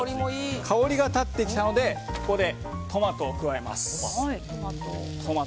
香りが立ってきたのでここでトマトを加えます。